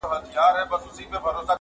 يوه ورځ بيا پوښتنه راپورته کيږي-